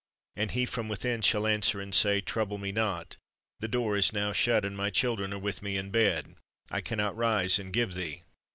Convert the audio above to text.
And he from within shall answer and say. Trouble me not; the door is now shut, and my children are with me in bed: I can not rise and give thee.